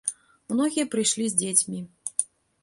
Многія прыйшлі з дзецьмі.